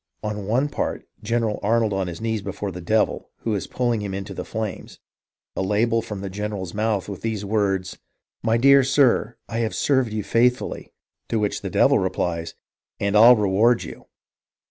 On one part. General Arnold on his knees before the Devil, who is pulling him into the flames ; a label from the general's mouth with these words, ' My dear sir, I have served you faithfully;' to which the Devil replies, 'And I'll reward you.'